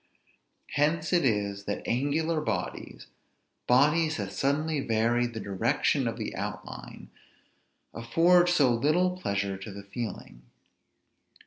Hence it is that angular bodies, bodies that suddenly vary the direction of the outline, afford so little pleasure to the feeling.